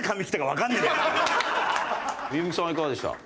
弓木さんはいかがでした？